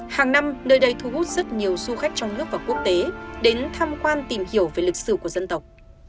hàng năm nơi đây thu hút rất nhiều du khách trong nước và quốc tế đến tham quan tìm hiểu về lịch sử của dân tộc